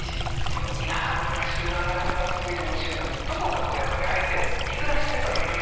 この田舎の暮らしというのはなかなか特異で面白いなとどこかこうやっぱり相手を見下してるかのような。